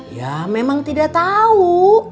ya memang tidak tau